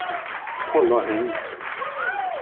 Toller Hengst!